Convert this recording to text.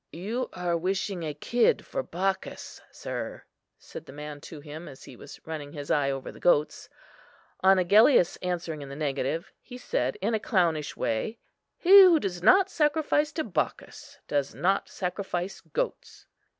"You are wishing a kid for Bacchus, sir," said the man to him as he was running his eye over the goats. On Agellius answering in the negative, he said in a clownish way, "He who does not sacrifice to Bacchus does not sacrifice goats."